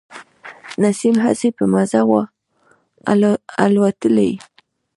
نسیم هسي په مزه و الوتلی.